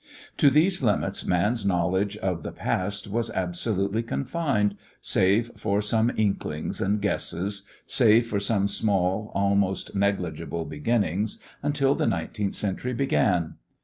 To these limits man's knowledge of the past was absolutely confined, save for some inklings and guesses, save for some small, almost negligible beginnings, until the nineteenth century began.